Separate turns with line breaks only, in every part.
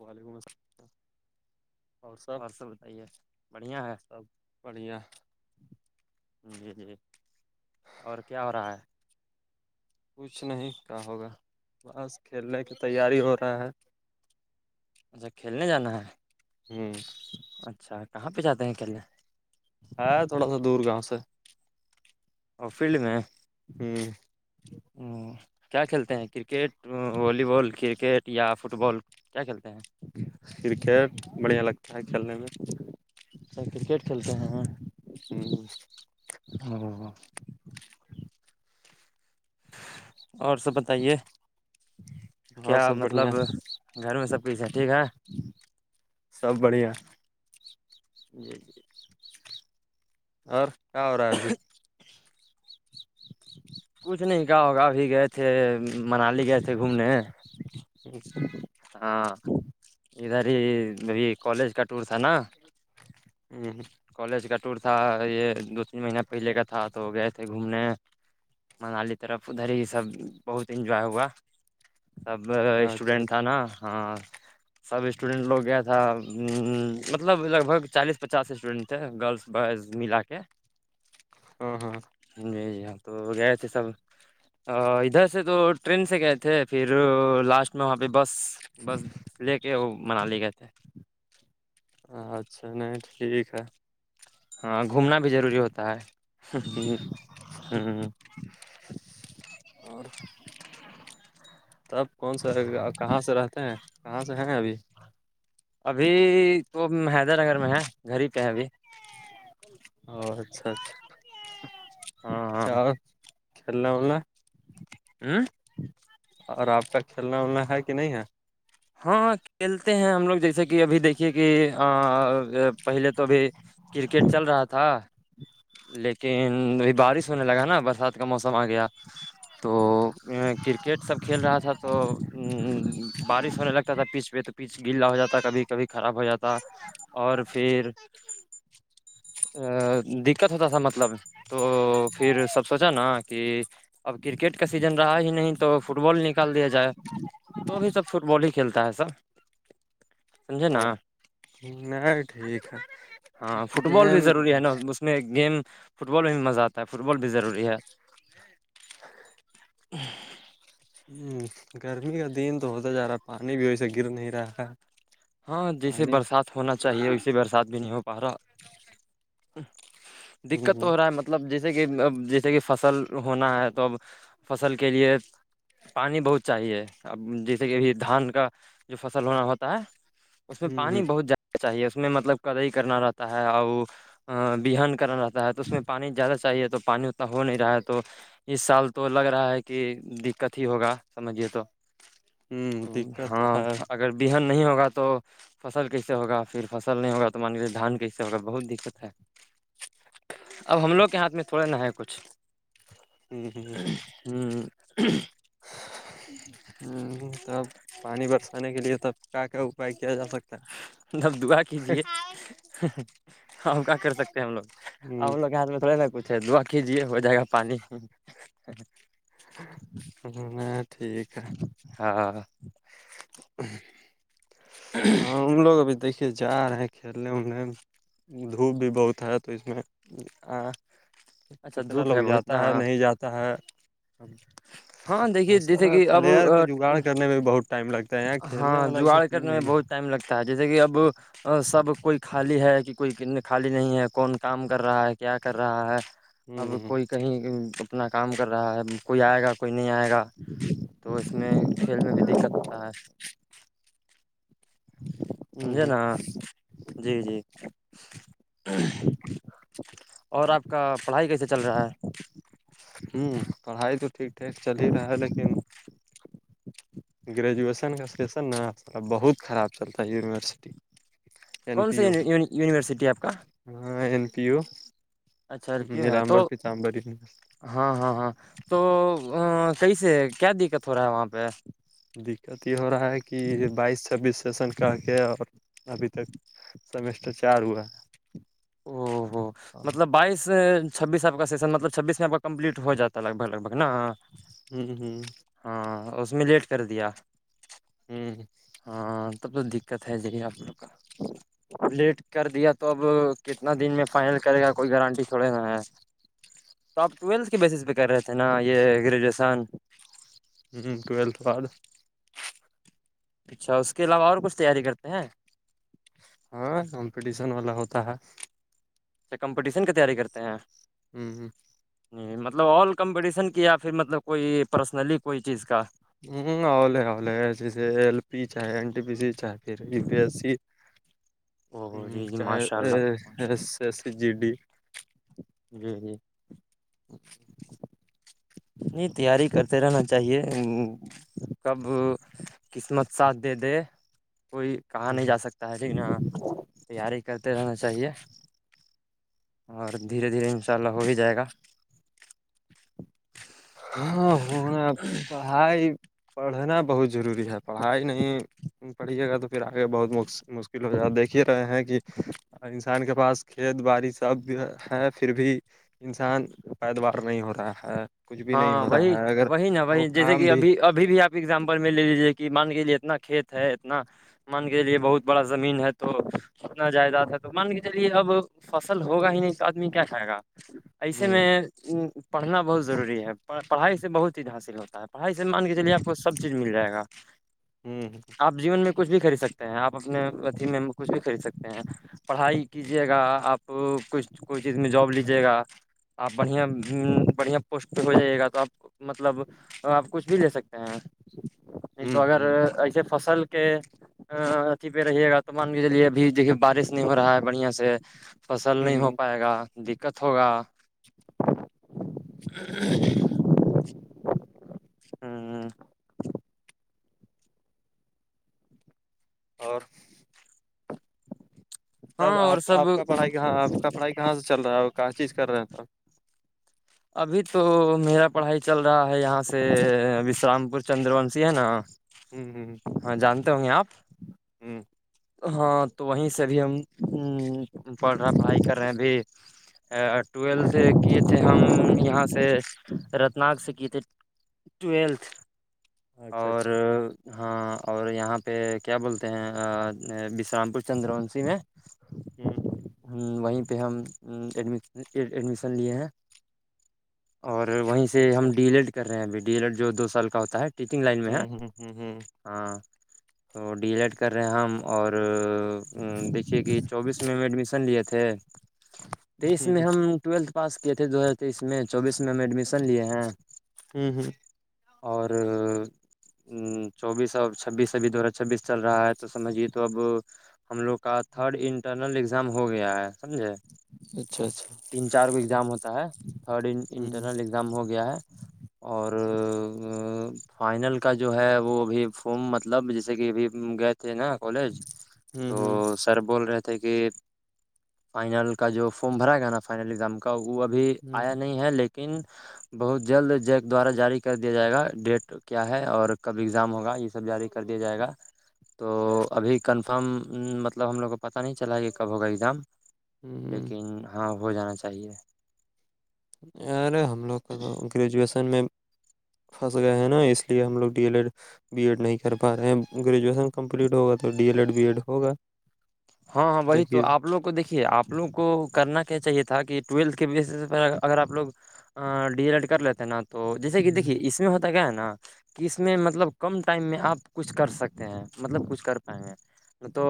وعلیکم السلام اور سب
بتائیے بڑھیا ہے
سب بڑھیا
جی جی اور کیا ہو رہا ہے
کچھ نہیں کہ ہوگا بس کھیلنے کی تیاری ہو رہا ہے
اچھا کھیلنے جانا ہے
ہوں
اچھا کہاں پہ جاتے ہیں اکلنےے
ہے تھوڑا سا دور گاؤں سے
اور فیلڈ میں
ہوں
کیا کھیلتے ہیں کرکٹ والی بال کرکٹ ٹیا فٹ بال کیا کھیلتے ہیں
کرکٹ بڑھیا لگتا ہے کھیلنے میں
اچا کرکٹ کھیلتے ہیں
ہ
اور سب بتائیے
اور
کیا
سب بڑھیا
مطلب گھر میں سب کز ہے ٹھیک ہے
سب بڑھیا
جی جی
اور کیا ہو رہا ہے ابھی [inaudible]
کچھ نہیں کہا ہوگا ابھی گئے تھے منالی گئے تھے گھومنے ہاں ادھر ہی ابھی کالج کا ٹور تھا نا
ہوں
کالج کا ٹور تھا یہ دو تین مہینہ پہلے کا تھا تو گئے تھے گھومنے منالی طرف ادھر ہی سب بہت انجوائے ہوا سب
اچھا
اسٹوڈینٹ تھا
اچھا
نا ہاں سب اسٹوڈینٹ لوگ گیا تھا مطلب لگ بھگ چالیس پچاس اسٹوڈینٹ تھ گرلس بوائز ملا کے
ہوں ہاں
جی جی ہاں تو وغیر تھے سب ادھر سے تو ٹرین سے گئے تھے پھر لاسٹ اس میں وہاں پہ بس بس لے کے وہ منالی گئے تھے
اچھا نہیں ٹھیک ہے
ہاں گھومنا بھی ضروری ہوتا ہے
ہ
ہ
اور تب کون سا رہ گ کہاں سے رہتے ہیں کہاں سے ہیں ابھی
ابھی تو حیدر نگر میں ہے گھر ہی پہ ہے ابھی
او اچھا اچھا
ہاں
چ
ہاں
چلا ہولہا
اوں
اور آپ کا کھیلنا ولنا ہے کہ نہیں ہے
ہاں کھیلتے ہیں ہم لوگ جیسے کہ ابھی دیکھیے کہ پہلے تو بھی کرکٹ چل رہا تھا لیکن بارش ہونے لگا نا برسات کا موسم آ گیا تو کرکٹ سب کھیل رہا تھا تو ا بارش تا تھا پیچ پہ تو پیچ گ ہو جاتا کبھی کبھی خراب ہو جاتا اور پھر دقت ہوتا تھا مطلب تو پھر سب سوچا نا کہ اب کرکٹ کا سیزن رہا ہی نہیں تو فٹ بال نکال دیا جائے تو اب سب فٹ بال ہی کھیلتا ہے سا سمجھے نا
میں ٹھیک
ہاں فٹ بال بھی
لیکن
ضروری ہے نا اس میں گیم فٹ بال میں بھی مزہ آتا ہے فٹ بال بھی ضروری ہے
جی
ہ
ہ گرمی کا دن تو ہوتا جا رہا ہے پانی بھی ویس گر نہیں رہا
ہاں جیسے
پانی
برسات ہونا چاہیے اسیے برسات بھی نہیں ہو پا رہا دقت تو
ہ
ہو رہا ہے مطلب مطلب جیسے کہ جیسے کہ فصل ہونا ہے تو اب فصل کے لیے پانی بہت چاہیے اب جیسے کہبھی دھان کا جو فصل ہونا ہوتا ہے اس میں پانی
ہ ہ
بہت زیادہ چاہیے اس میں مطلب کدئی کرنا رہتا ہے اور بہان کرنا رہتا تو اس میں پانی زیادہ چاہیے تو پانی اتنا ہو نہیں رہا ہے تو اس سال تو لگ رہا ہے کہ دقت ہی ہوگا سمجھیے تو
دقت تو
ہاں
ہے
اگر بہان نہیں ہوگا تو تو فصل کیسے ہوگا پھر فصل نہیں ہوگا تو مان کےے دھان کیسے ہوگا بہت دقت ہے اب ہم لوگ کے ہاتھ میں تھوڑا نہا ہے کچھ
ہوں
ہ
ہ تب پانی برسانے کے لیے تب کیا کیا اپائے کیا جا سکتا ہے
نب دعا کیجیے ہم کیا کر سکتے ہیں ہم لو
ہے
ا ہم لوگ کے ہاتھ میں تھوڑے نا کچھ دعا کجیے ہو جائے گا پانی
میں ٹھیک
ہاں
ہ ہاں ہم لوگ ابھی دیکھیے جا رہے ہیں کھیلنے ولنے میں دھوپ بھی بہت ہے تو اس میں
اچھا
کتنا
دھوپ ہے
لوگ
بہت
جاتا
نا
ہے نہیں جاتا ہے
ہاں دیکھیے
اں سر
جیسے کہ اب
پلیئر کو جگاڑ کرنے میں بہت ٹائم لگتا ہے اں کھیلنے
ہاں
والا ایسا
جگاڑ
ٹیم
کرنے میں
نہیں
بہت ٹائم لگتا ہے جیسے کہ اب سب کوئی خالی ہے کہ کوئی خالی نہیں ہے کون کام کر رہا ہے کیا کر رہا ہے اب
ہوں
کوئی کہیں اپنا کام کر رہا ہے کوئی آئے گا کوئی نہیں آئے گا
ج
تو اس میں کھیل میں بھی دقت ہوتا ہے سمجھے
ہ ہ
نا جی جی اور آپ کا پڑھائی کیسے چل رہا ہے
ہوں پڑھائی تو ٹھیک ٹھیک چل ہی رہا ہے لیکن گریجویشن کا سشن نہ بہت خراب چلتا ہے یونیورسٹی این
کون
پی
سا
یو
یونیورسٹی آپ کا
ہاں این پییو
اچھا رپیو ہے تو
یونیورسٹی
ہاں ہاں ہاں تو ا کیس کیا دقت ہو رہا ہے وہاں پہ
دقت یہ ہو رہا ہے کہ بائیس چھبیس سیشن کہ کے اور ابھی تک سمیسٹر چار ہوا ہے
او ہو مطلب بائیس چھبیس آپ کا سشن مطلب چھبیس میں آپ کا کمپلیٹ ہو جاتا لگ بگ لگ بگ نا
ہوں ہوں
ہاں اس میں لیٹ کر دیا
ہوں
ہاں تب تو دقت ہے ذ آپ لوگ کا لیٹ کر دیا تو اب کتنا دن میں فائنل کرے گا کوئی گارنٹی تھوڑے نا ہے تو آپ ٹویلتھ بیس پہ کر رہے تھے نا یہ گریجویشن
ٹویلتھ بعد
اچھا اس کے علاوہ اور کچھ تیاری کرتے ہیں
ہاں کمپٹیشن والا ہوتا ہے
کمپٹیشن کی تیاری کرتے ہیں
ہمم
نہیں مطلب آ کمپٹیشن کی یا پھر مطلب کوئی پرسنلی کوئی چیز کا
ہوں ا لے اےی ایل پی چاہائےین پ سی چاہائے پھر ا بھی اس
او جی جی ماشاء اللہ ماشاء
اہس ایس جی ڈی
جی جی
[inaudible]
نہیں تیاری کرتے رہنا چاہیے کب قسمت ساتھ دے دے کوئی کہاں نہیں جا سکتا ہے لیکن ہاں تیاری کرتے رہنا چاہیے اور دھیرے دھیرے ان شاء اللہ ہو ہی جائے گا
ہاں ہنا پڑھائی پڑھنا بہت ضروری ہے پڑھائی نہیں پڑھیے گا تو پھر آگے بہت مشکل ہو جا دیکھ ہی رہے ہیں کہ کسان کے پاس کھیت باڑی سب بھی ہے پھر بھی انسان پیداوار نہیں ہو رہا ہے کچھ بھی نہیں
ہاں
ہو
وہی
رہا ہے اگر
وہی نا
وہ
وہی جیسے
کام
کہ
بھی
ابھی اب ابھی بھی آپ ایگزامپل میں لے لیجیے کہ مان کےجیے اتنا کھیت ہے اتنا مان کے چلیے بہت بڑا زمین ہے تو اتنا جائیداد ہے تو مان کے چلیے اب فصل ہوگا ہی نہیں تو آدمی کیا رہائے گا ایسے
ہوں
میں پڑھنا بہت ضروری ہے پڑھائی سے بہت چیز حاصل ہوتا ہے پڑھائی سے مان کے چلیے آپ کو سب چیز مل جائے گا
ہوں
آپ جیون میں کھ بھی کرری سکتے ہیں آپ اپنے اھی میں کچھ بھی خرید سکتے ہیں پڑھائی کیجیے گا آپ کچھ کوئی چیز میں جاب لیجیے گا آپ بڑھیا بڑھیا پ ہو جائے گا تو آپ مطلب آپ کچھ بھی لے سکتے نہیں
ہوں
تو اگر
ہوں
ایسے فصل کے ک پہ رہیے گا تومان بھی چے ابھی دیکے بارش نہیں ہو رہا ہے بڑھیا سے فصل نہیں ہو
ہوں
پائے گا دقت ہوگا ہاں ہ
اور
ہاں
تب
اور
آپ
سب
آپ کا پڑھائی کہاں آپ کا پڑھائی کہاں سے چل رہا ہے اور کہاں چیز کر رہے ہیں سب
ابھی تو میرا پڑھائی چل رہا ہے یہاں سے وشرام پور چندر ونشی ہے نا
ہ
ہاں جانتے ہوں گے آپ
ہوں
ہاں تو وہیں سے بھی ہم پڑھ رہا پڑھائی کر رہے بھی ٹویلتھ کیے تھے ہم یہاں سے رتناگ سے کیے تھے ٹویلتھ
ہ اچھا
اور
اچھا
ہاں اور یہاں پہ کیا بولتے ہیں بشرام پور چندر وونشی میں
ہ
ہ وہیں پہ ہم ایڈمیشن لیے ہیں اور وہیں سے
اچھا
ہم ڈی ایل ایڈ کر رہے ہیں ابھی ڈی ایل ایڈ جو دو سال کا ہوتا ہے ٹیچنگ لائن میں ہے
ہوں ہوں ہوں ہوں
ہاں تو ڈیلیٹ کر رہے ہیں ہم اور دیکھیے کہ چوبیس میں ایڈمیشن لے تھے تیئیس میں
ہ
ہم ٹویلتھ پاس کیے تھے دو ہزار تیئیس میں چوبیس میں ہم ایڈمیشن لیے ہیں
ہوں ہوں
اور ہ چوبیس اور چھبیس ابھی دو ہزار چھبیس چل رہا ہے تو سجھیے تو اب ہم لوگ کا تھرڈ انٹرنل اگزام ہو گیا ہے سمجھے
اچھا اچھا
تین چار کو ایگزام ہوتا ہے تھرڈ
ہ
انٹرنل گم ہو گیا ہے اور فائنل کا جو ہے وہ ابھی فارم مطلب جیسے کہ ابھی گئے تھے نا کالج
ہوں
تو سر بول رہے تھے کہ فائنل کا جو فارم بھرائے گا نا فائنل ایگزام کا وہ ابھی
ہوں ہ
آیا نہیں ہے لیکن بہت جلد جیک دوارا جاری کر دیا جائے گا ڈیٹ تو کیا ہے اور کب اگزام ہوگا یہ سب جاری کر دیا جائے گا تو ابھی کنفرم مطلب ہم لوگ کو پتہ نہیں چلا یہ کب ہوگا ایگزام
ہ
لیکن ہاں ہو جانا چاہیے
ارے ہم لوگ کو تو گریجویشن میں پھنس گئے ہیں نا اس لیے ہم لوگ D El Ed B Ed نہیں کر پا رہے ہیں گریجویشن کمپلیٹ ہوگا تو D El Ed B Ed ہوگا
ہاں ہاں وہی تو
دیکھیے
آپ آ لوگ کو دیکھیے آپ لوگ کو کرنا کیا چاہیے تھا کہ ٹویلتھ کے بیسس پر اگر آپ لوگ ڈیٹ کر لیتے ہیں نا تو جیسے کہ دیکھیے اس میں ہوتا گیا ہے نا کہ اس میں مطلب کم ٹائم میں آپ کچھ کر سکتے ہیں مطلب کچھ کر پائیں گے ہاں ا تو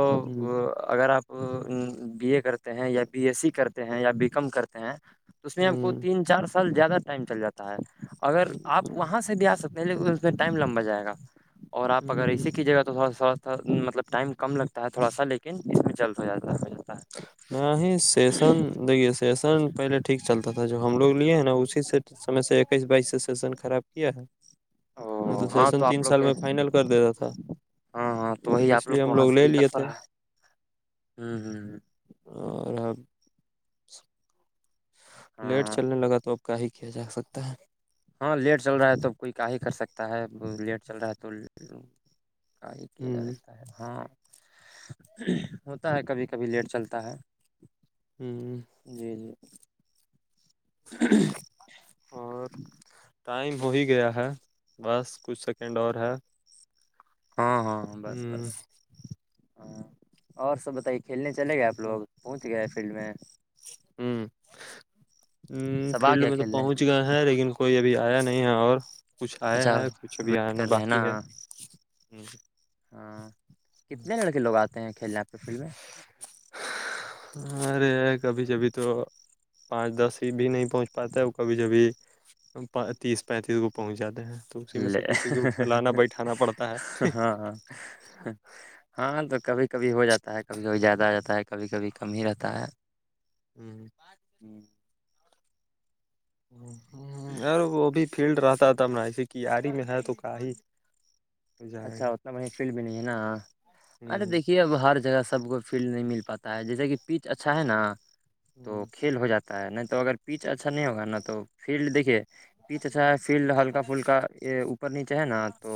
اگر آپ بی اے کرتے ہیں یا بی ایس سی کرتے ہیں یا بی کام کرتے ہیں تو اس میں ہم کو تین چار سال زیادہ ٹائم چل جاتا ہے اگر آپ وہاں سے بھی آ سکتے ہیں لیکن اس میں ٹائم لمبا جائے گا اور آپ اگر اس کی جگہ تو تھوڑا سو مطلب ٹائم کم لگتا ہے تھوڑا سا لیکن اس میں جلد ہو جاتا ہو جاتا ہے
نہیں نہیں سیشن دیکے سیشن پہلے ٹھیک چلتا تھا جو ہم لوگ لیے ہیں نا اسی سے س سے اکیس بائیس سے سیشن خراب کیا ہے نہ
ہاں تو
سیشن
آپ
تین
لوگ
سال میں فائنل کر دیتا تھا
ہاں ہاں تو وہی آپ
اس
لوگ
لیے
کو
ہم
وہاں
لے
سے
لیے
دقت
تھے
رہا ہے
اور ہم لیٹ
ہاں
چلنے لگا تو اب کا ہی کیا جا سکتا ہے
ہاں لیٹ چل رہا ہے توب کوئی کا ہی کر سکتا ہے لیٹ چل رہا ہے تو ائی کے
ہوں
لگتا ہے ہاں ہوتا ہے کبھی کبھی لیٹ چلتا ہے
ہاں
جی جی
اور ٹائم ہو ہی گیا ہے بس کچھ سیکنڈ اور ہے
ہاں ہاں ہاں بس
ہوں
بس ہاں اور سب بتائی کھیلنے چلے گئے آپ لوگ پہنچ گئے فیلڈ میں
ہاں
سب آ
فیلڈ
گیا
میں تو
کھیلنے
پہنچ ہے لیکن کوئی ابھی آیا نہیں ہے اور کچھ آیا
اچھا
ہے کچھ ابھی
ویٹ
آنا
کر رہے ہیں نا
باقی ہے
ہاں کتنے لڑکے لوگ آتے ہیں کھیلنے پہ تو فل میں
ارے کبھی کبھی تو پانچ دس ہی بھی نہیں پہنچ پاتا ہے وہ کبھی جبھی تیس پینتیس کو پہنچ جاتے ہیں تو اسی میں سے کسی کو کھلانا بیٹھانا پڑتا
لےہاں ہاں تو کبھی کبھی ہو جاتا ہے کبھی کبھی زیادہ آ جاتا ہے کبھی کبھی کم ہی رہتا ہے
ہوں
ہوں
یار وہ بھی فیلڈ رہتا تھا ایسے کییاری میں ہے تو کا ہی جائے
اچھا
گا
اتنا وہ فیلڈ بھی نہیں ہے نا ارے
ہ
دیکھیے اب ہر جگہ سب کو فیلڈ نہیں مل پاتا ہے جیسے کہ پیچ اچھا ہے نا تو کھیل ہو جاتا نہیں تو اگر پیچ اچھا نہیں ہوگا نا تو فیلڈ دیکھیے پیچ اچھا ہے فیلڈ ہلکا پھلکا یہ اوپر نیچے ہے نا تو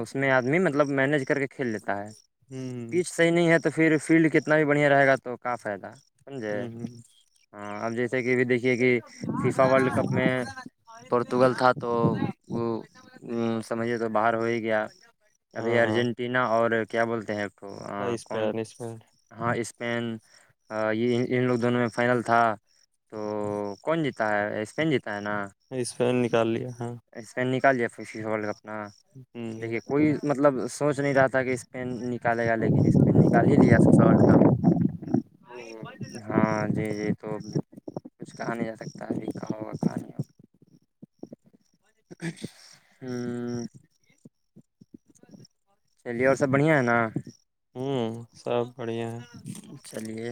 اس میں آدمی مطلب مینیج کر کے کھیل لیتا ہے
ہ
پچ
ہ
صحیح نہیں ہے تو پھر فیلڈ کتنا بھی بڑھیا رہے گا تو کا فائدہ سمجھے
ہاں
ہاں اب جیسے کہب دیکھیے کہ فیفا ورلڈ کپ میں پورتگل تھا تو وہ سمجھیے تو باہر ہو ہی گیا ابھی
ہاں ہاں
ارجنٹینا اور کیا بولتے ہیں تو
ہاں
کون
اسپین اسپین
ہاں اسپین یہ ان لوگ دونوں میں فائنل تھا تو کون جیتا سپین جیتا ہے نا
سپین نکال لیا ہاں
اس میں نکال لیا فشش ڈ اپنا
ہ
دیکھیے کوئی مطلب سوچ نہیں رہا تھا کہ سپین نکالے گا لیکن سپین نکال ہی لیا ورلڈ کپ ہاں جی جی تو کچھ کہا نہیں جا سکتا ابھی کہاں ہوگا کہاں نہیں ہوگا ہوں چلیے اور سب بڑھیا ہے نا
ہوں سب بڑھیا ہے
چلیے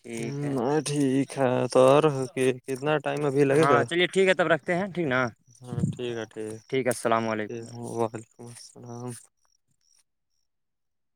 ٹھیک ہے
ٹھیک ہے تو کتنا ٹائم ابھی لگے گا
ہاں چلیے ٹھیک ہے تب رکھتے ہیں ٹھیک نا
ہاں ٹھیک ہے ٹھیک
ہے السلام علیکم
ھیک وعلیکم السلام